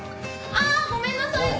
ああ！ごめんなさい。